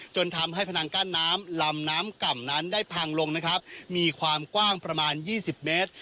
จนทำให้พนังกั้นน้ำลำน้ำก่ำนั้นได้พังลงนะครับมีความกว้างประมาณ๒๐เมตร